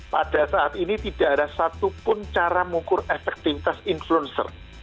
pada saat ini tidak ada satupun cara mengukur efektivitas influencer